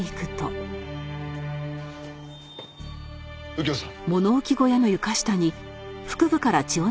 右京さん。